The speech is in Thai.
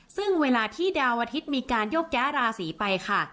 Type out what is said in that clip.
ซึ่งเวลาที่ดาวอาทิตย์มีการโยกย้ายราศีไปค่ะ